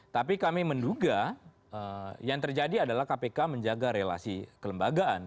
tapi kami menduga yang terjadi adalah kpk menjaga relasi kelembagaan